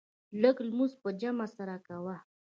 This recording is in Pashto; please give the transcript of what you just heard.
لږ لمونځ په جمع سره کوه.